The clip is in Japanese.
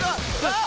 あっ！